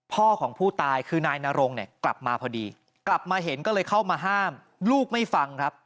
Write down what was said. พ่อของผู้ตายคือนายนรงเนี่ยกลับมาพอดีกลับมาเห็นก็เลยเข้ามาห้ามลูกไม่ฟังครับ